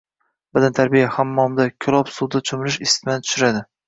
Badantarbiya, hammomda, ko‘lob suvda cho‘milish isitmani tushiradi.